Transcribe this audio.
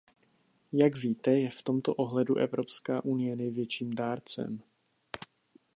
Jak víte, je v tomto ohledu Evropská unie největším dárcem.